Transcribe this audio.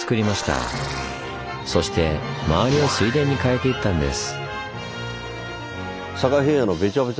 そして周りを水田に変えていったんです。